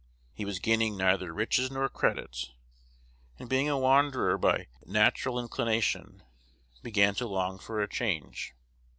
He was gaining neither riches nor credit; and, being a wanderer by natural inclination, began to long for a change.